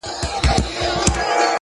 • زور د زورور پاچا، ماته پر سجده پرېووت.